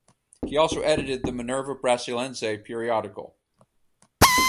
He also edited the "Minerva Brasiliense" periodical.